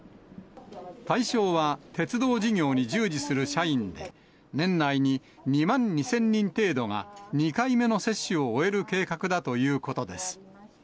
対象は鉄道事業に従事する社員で、年内に２万２０００人程度が２回目の接種を終える計画だということです。